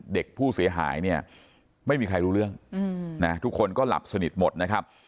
เด็กผู้เสียหายเนี่ยไม่มีใครรู้เรื่องนะทุกคนก็หลับสนิทหมดนะครับ